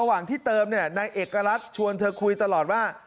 ระหว่างที่เติมเนี่ยนายเอกลักษณ์ชวนเธอคุยตลอดว่า